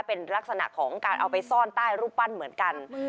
เป็นลักษณะของการเอาไปซ่อนใต้รูปปั้นเหมือนกัน